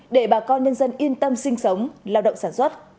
để bà con nhân dân yên tâm sinh sống lao động sản xuất